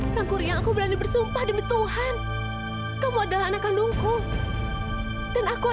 sampai jumpa di video selanjutnya